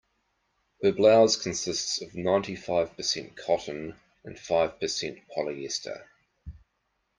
Her blouse consists of ninety-five percent cotton and five percent polyester.